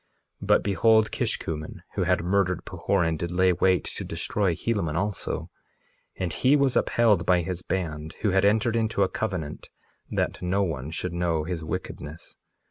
2:3 But behold, Kishkumen, who had murdered Pahoran, did lay wait to destroy Helaman also; and he was upheld by his band, who had entered into a covenant that no one should know his wickedness.